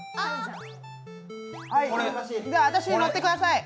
じゃあ、私に乗ってください。